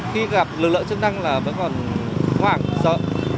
tập lực lượng chức năng là vẫn còn hoảng sợ